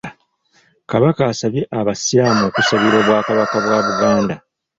Kabaka asabye abasiraamu okusabira Obwakabaka bwa Buganda.